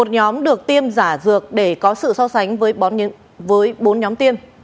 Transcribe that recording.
một nhóm được tiêm giả dược để có sự so sánh với bốn nhóm tiêm